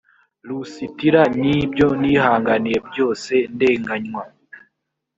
lusitira n ibyo nihanganiye byose ndenganywa